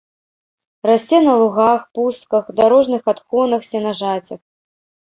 Расце на лугах, пустках, дарожных адхонах, сенажацях.